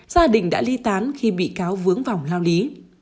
gia đình đã ly tán khi bị cáo vướng vòng lao lý